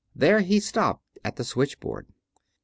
There he stopped at the switchboard.